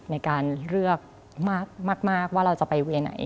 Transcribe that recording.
ในการเลือกมากว่าเราจะไปเวียนไหน